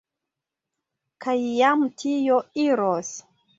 Kaj jam tio iros.